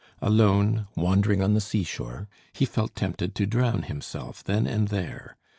Alone, wandering on the sea shore, he felt tempted to drown himself, then and there.